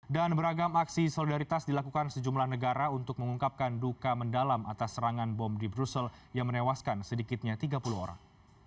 dan beragam aksi solidaritas dilakukan sejumlah negara untuk mengungkapkan duka mendalam atas serangan bom di brussel yang menewaskan sedikitnya tiga puluh orang